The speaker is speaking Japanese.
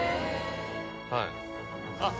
はい。